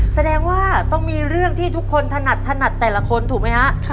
แสดงว่าต้องมีเรื่องที่ทุกคนถนัดถนัดแต่ละคนถูกไหมฮะ